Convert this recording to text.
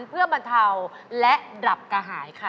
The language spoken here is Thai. เพื่อบรรเทาและดับกระหายค่ะ